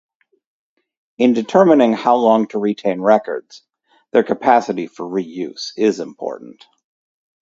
In determining how long to retain records, their capacity for re-use is important.